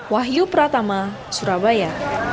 wahyu pratama surabaya